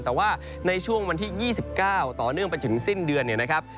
แต่ว่าในช่วงวันที่๒๙ต่อเนื่องไปถึงสิ้นเดือนเนี่ยนะครับ